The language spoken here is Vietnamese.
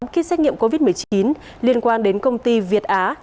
ký xét nghiệm covid một mươi chín liên quan đến công ty việt á